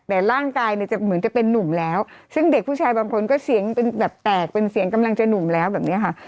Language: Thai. แต่ร่างกายเนี่ยจะเหมือนจะเป็นนุ่มแล้วซึ่งเด็กผู้ชายบางคนก็เสียงเป็นแบบแตกเป็นเสียงกำลังจะหนุ่มแล้วแบบนี้ค่ะ